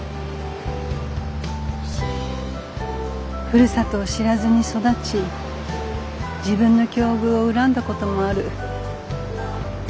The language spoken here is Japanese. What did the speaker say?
ふるさとを知らずに育ち自分の境遇を恨んだこともある。